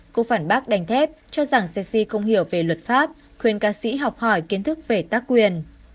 cô phản bác đánh thép cho rằng xe xi không hiểu về luật pháp khuyên ca sĩ học hỏi kiến thức về tác quyền